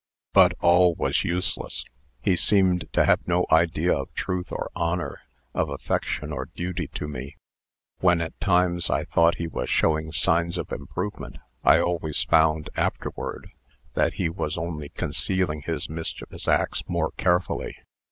But all was useless. He seemed to have no idea of truth or honor, of affection or duty to me. When, at times, I thought he was showing signs of improvement, I always found, afterward, that he was only concealing his mischievous acts more carefully.